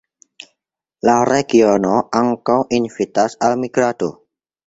La regiono ankaŭ invitas al migrado.